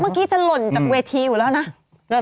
เมื่อกี้จะหล่นจากเวทีอยู่แล้วนะ